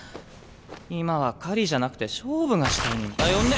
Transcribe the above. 今は狩りじゃなくて勝負がしたいんだよね。